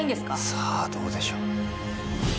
さあどうでしょう